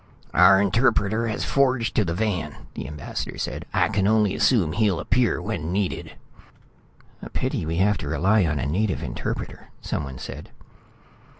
"Our interpreter has forged to the van," the ambassador said. "I can only assume he'll appear when needed." "A pity we have to rely on a native interpreter," someone said.